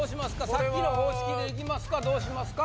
さっきの方式でいきますか？